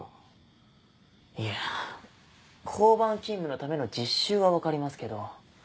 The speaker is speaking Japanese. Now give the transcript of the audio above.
いや交番勤務のための実習は分かりますけど。